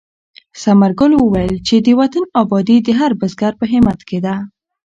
ثمر ګل وویل چې د وطن ابادي د هر بزګر په همت کې ده.